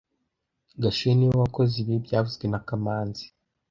Gashuhe niwe wakoze ibi byavuzwe na kamanzi